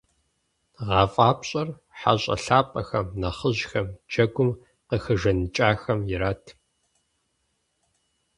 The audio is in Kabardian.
ГъэфӀапщӀэр - хьэщӀэ лъапӀэхэм, нэхъыжьхэм, джэгум къыхэжаныкӀахэм ират.